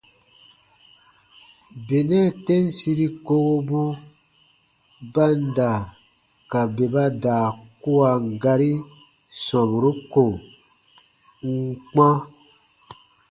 Benɛ tem siri kowobu ba n da ka bè ba daa kuwan gari sɔmburu ko n n kpã.